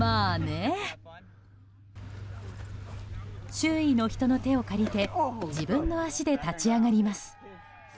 周囲の人の手を借りて自分の足で立ち上がります。